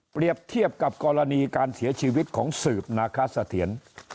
เทียบกับกรณีการเสียชีวิตของสืบนาคาเสถียร